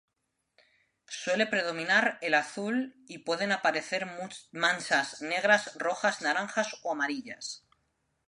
Suele predominar el azul y pueden aparecer manchas negras, rojas, naranjas y amarillas.